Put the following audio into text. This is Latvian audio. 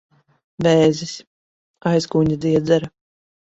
Vēzis. Aizkuņģa dziedzera.